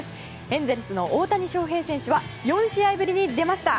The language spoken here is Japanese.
エンゼルスの大谷翔平選手は４試合ぶりに出ました。